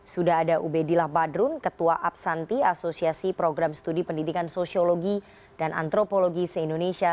sudah ada ubedillah badrun ketua absanti asosiasi program studi pendidikan sosiologi dan antropologi se indonesia